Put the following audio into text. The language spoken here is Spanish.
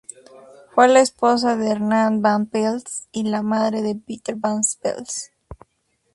Fue la esposa de Hermann Van Pels y la madre de Peter van Pels.